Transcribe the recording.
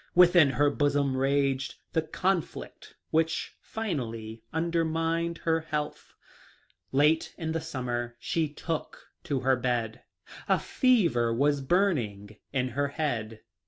Within her bosom raged the conflict which finally undermined her health. Late in the summer she took to her bed. A fever was burning in her head.